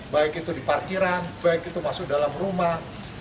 baik itu di parkiran baik itu masuk dalam rumah